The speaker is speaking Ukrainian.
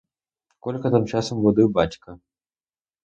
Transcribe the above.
Колька тим часом будив батька.